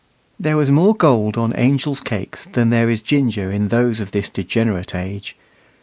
There was more gold on Angel's cakes than there is ginger in those of this degenerate age.